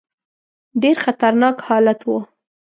ډېر خطرناک حالت وو.